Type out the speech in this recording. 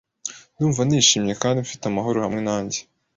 Ndumva nishimye kandi mfite amahoro hamwe nanjye.